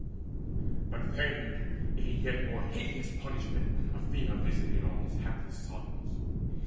But then a yet more hideous punishment Athena visited on his hapless sons.